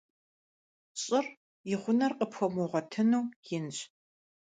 ЩӀыр, и гъунэр къыпхуэмыгъуэтыну, инщ.